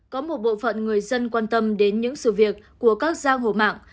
có một bộ phận người dân quan tâm đến những sự việc của các giang hồ mạng